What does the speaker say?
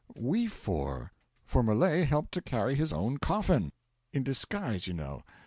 'We four for Millet helped to carry his own coffin. In disguise, you know.